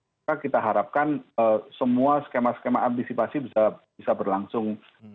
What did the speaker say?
maka kita harapkan semua skema skema antisipasi bisa berlangsung